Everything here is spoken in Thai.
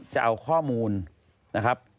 จะเอาข้อมูลนะครับ